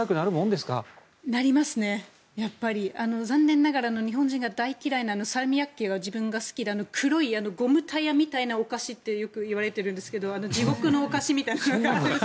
残念ながら日本人が大嫌いなお菓子があって自分が好きで黒いゴムタイヤみたいなお菓子ってよく言われているんですが地獄のお菓子みたいな。